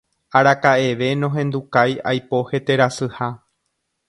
araka'eve nohendukái aipo heterasyha